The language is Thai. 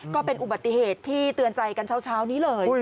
ก็เป็นอุบัติเหตุที่เตือนใจกันเช้านี้เลย